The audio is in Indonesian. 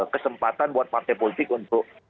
kesempatan buat partai politik untuk